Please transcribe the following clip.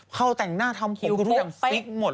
เขาแต่งหน้าทำผิดคือทุกอย่างฟิกหมด